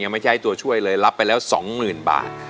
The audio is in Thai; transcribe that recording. ไม่ใช่ตัวช่วยเลยรับไปแล้ว๒๐๐๐บาท